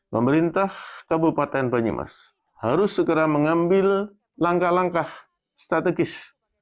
pemerintah kabupaten banyumas harus segera mengambil langkah langkah strategis